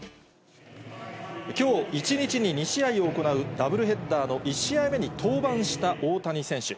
きょう一日に２試合を行うダブルヘッダーの１試合目に登板した大谷選手。